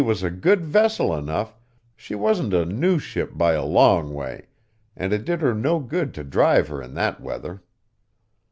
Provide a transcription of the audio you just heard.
_ was a good vessel enough, she wasn't a new ship by a long way, and it did her no good to drive her in that weather.